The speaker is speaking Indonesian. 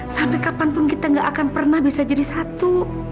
sampai kapanpun kita gak akan pernah bisa jadi satu